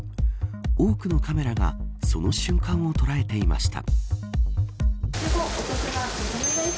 多くのカメラがその瞬間を捉えていました。